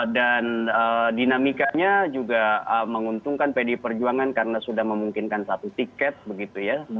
dan dinamikanya juga menguntungkan pd perjuangan karena sudah memungkinkan satu tiket begitu ya